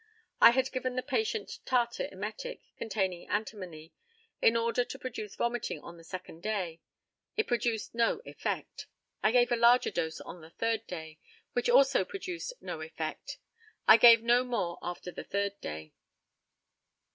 I had given the patient tartar emetic (containing antimony) in order to produce vomiting on the second day; it produced no effect. I gave a larger dose on the third day, which also produced no effect. I gave no more after the third day.